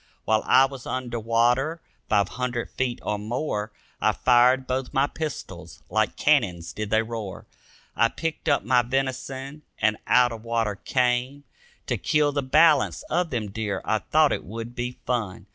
While I was under water five hundred feet or more I fired both my pistols; like cannons did they roar. I picked up my venison and out of water came, To kill the balance of them deer, I thought it would be fun.